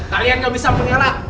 kalian gak bisa menyalah